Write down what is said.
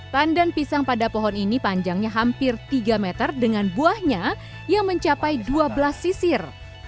pandan pisang pada pohon ini panjangnya hampir tiga meter dengan buahnya yang mencapai dua belas sisir